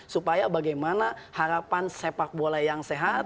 supaya bagaimana harapan sepak bola yang sehat